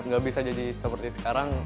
gak bisa jadi seperti sekarang